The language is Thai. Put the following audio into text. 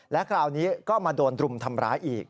และคราวนี้ก็มาโดนรุมทำร้ายอีก